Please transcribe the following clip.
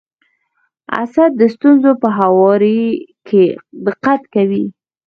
اسد د ستونزو په هواري کي دقت کوي.